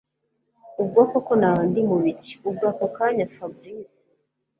ubwo koko naba ndimubiki ubwo ako kanya Fabric